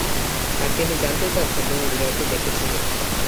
আর তিনি জানতে চাচ্ছেন, তুমি বিড়ালটি দেখেছো কিনা।